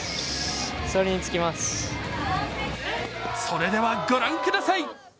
それではご覧ください。